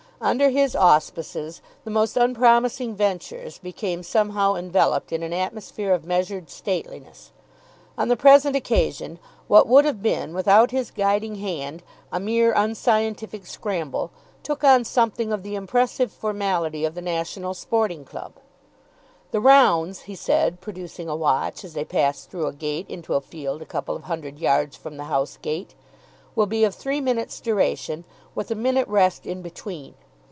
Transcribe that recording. Under his auspices the most unpromising ventures became somehow enveloped in an atmosphere of measured stateliness. On the present occasion, what would have been, without his guiding hand, a mere unscientific scramble, took on something of the impressive formality of the National Sporting Club. "The rounds," he said, producing a watch, as they passed through a gate into a field a couple of hundred yards from the house gate, "will be of three minutes' duration, with a minute rest in between.